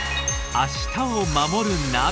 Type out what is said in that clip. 「明日をまもるナビ」